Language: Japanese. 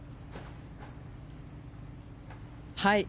はい。